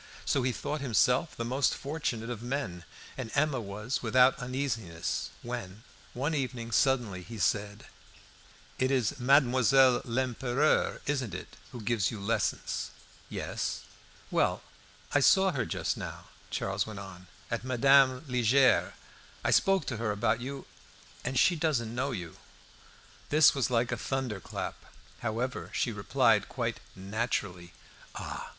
So he thought himself the most fortunate of men and Emma was without uneasiness, when, one evening suddenly he said "It is Mademoiselle Lempereur, isn't it, who gives you lessons?" "Yes." "Well, I saw her just now," Charles went on, "at Madame Liegeard's. I spoke to her about you, and she doesn't know you." This was like a thunderclap. However, she replied quite naturally "Ah!